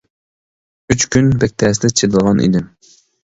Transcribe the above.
ئۈچ كۈن بەك تەستە چىدىغان ئىدىم.